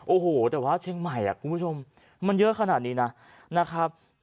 โอ้โหแต่ว่าเชียงใหม่มันเยอะขนาดนี้นะ